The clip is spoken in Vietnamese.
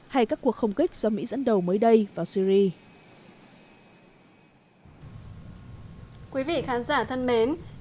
hay các cuộc không kích do mỹ dẫn đầu mới đây vào syri